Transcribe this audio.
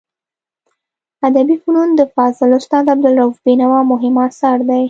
ادبي فنون د فاضل استاد عبدالروف بینوا مهم اثر دی.